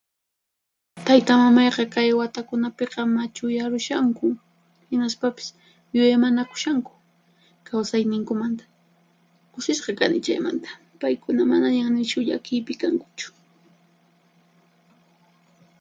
Taytamamayqa kay watakunapiqa machuyarushanku hinaspapis yuyaymanakushanku kawsayninkumanta. Kusisqa kani chaymanta, paykuna manañan nishu llakiypi kankuchu.